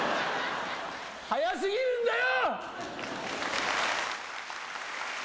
早すぎるんだよ！